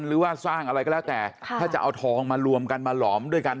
หรือว่าสร้างอะไรก็แล้วแต่ถ้าจะเอาทองมารวมกันมาหลอมด้วยกัน